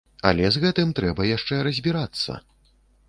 Але з гэтым трэба яшчэ разбірацца.